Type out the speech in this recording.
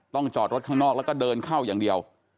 จอดรถข้างนอกแล้วก็เดินเข้าอย่างเดียว